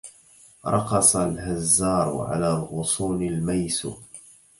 رقص الهزار على الغصون الميس